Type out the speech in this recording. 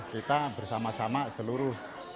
kita bersama sama seluruh